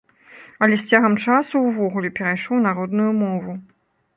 Але з цягам часу ўвогуле перайшоў на родную мову.